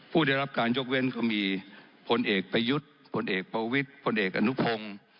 ผู้ได้รับการยกเว้นก็มีผลเอกประยุทธ์ผลเอกประวิทย์พลเอกอนุพงศ์